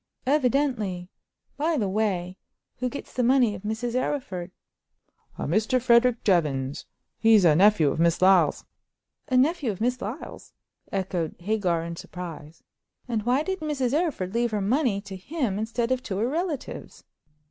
"Evidently. By the way, who gets the money of Mrs. Arryford?" "A Mr. Frederick Jevons; he's a nephew of Miss Lyle's." "A nephew of Miss Lyle's!" echoed Hagar, in surprise. "And why did Mrs. Arryford leave her money to him instead of to her relatives?"